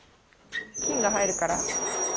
菌が入るから。